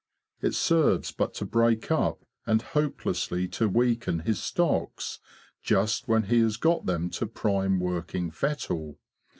It serves but to break up and hopelessly to weaken his stocks just when he has got them to prime working feitle.